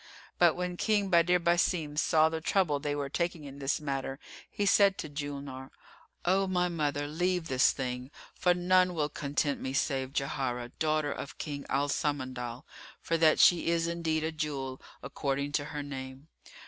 But, when King Badr Basim saw the trouble they were taking in this matter, he said to Julnar, "O my mother, leave this thing, for none will content me save Jauharah, daughter of King Al Samandal; for that she is indeed a jewel,[FN#347] according to her name."